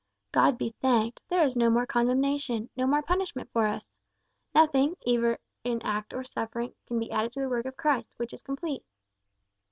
"God be thanked, there is no more condemnation, no more punishment for us. Nothing, either in act or suffering, can be added to the work of Christ, which is complete."